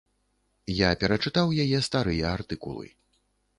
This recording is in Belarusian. Я перачытаў яе старыя артыкулы.